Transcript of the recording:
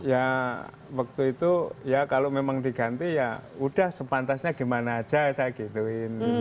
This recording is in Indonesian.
ya waktu itu ya kalau memang diganti ya udah sepantasnya gimana aja saya gituin